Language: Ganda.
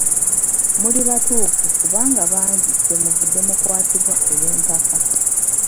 Muli batuufu kubanga bangi kye muvudde mukwatibwa olw'empaka.